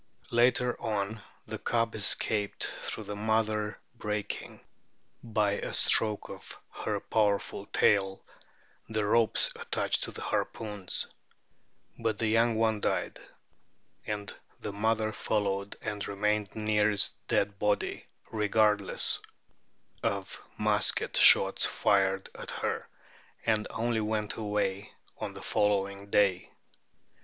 Later on the cub es caped through the mother breaking, by a stroke of her powerful tail, the ropes attached to the harpoons ; but the young one died, and the mother followed and remained near its dead body regardless of musket shots fired at her, and only went away on the following day.